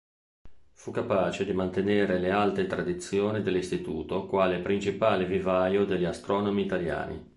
Fu capace di mantenere le alte tradizioni dell'Istituto quale principale vivaio degli astronomi italiani.